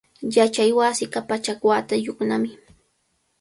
Yachaywasinqa pachak watayuqnami.